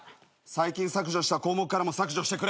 最近削除した項目からも削除してくれ！